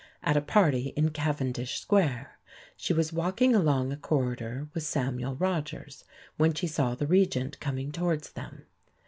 At a party in Cavendish Square she was walking along a corridor with Samuel Rogers when she saw the Regent coming towards them.